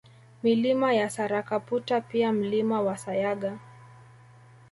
Milima ya Sarakaputa pia Mlima wa Sayaga